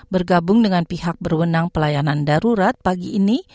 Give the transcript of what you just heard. bergabung dengan pihak berwenang pelayanan darurat pagi ini